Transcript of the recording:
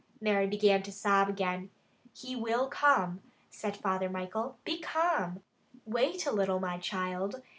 Mary began to sob again. "He will come," said Father Michael. "Be calm! Wait a little, my child.